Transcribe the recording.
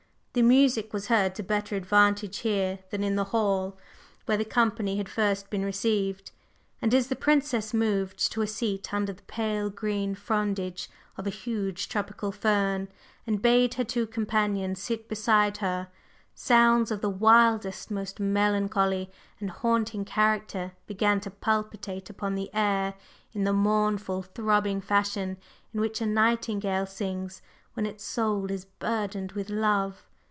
The music was heard to better advantage here than in the hall where the company had first been received; and as the Princess moved to a seat under the pale green frondage of a huge tropical fern and bade her two companions sit beside her, sounds of the wildest, most melancholy and haunting character began to palpitate upon the air in the mournful, throbbing fashion in which a nightingale sings when its soul is burdened with love.